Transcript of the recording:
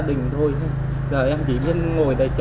đỉnh thôi thôi giờ em chỉ biết ngồi đây chờ